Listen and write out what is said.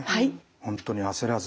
本当に焦らず。